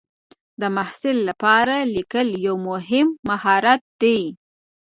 د محصل لپاره لیکل یو مهم مهارت دی.